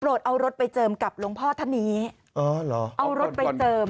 โปรดเอารถไปเจิมกับหลวงพ่อธนีเอารถไปเจิม